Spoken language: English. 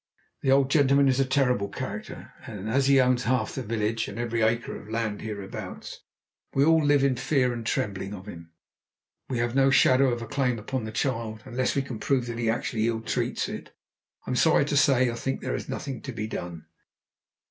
"The old gentleman is a terrible character, and as he owns half the village, and every acre of the land hereabouts, we all live in fear and trembling of him. We have no shadow of a claim upon the child, and unless we can prove that he actually ill treats it, I'm sorry to say I think there is nothing to be done."